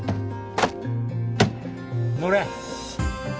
乗れ。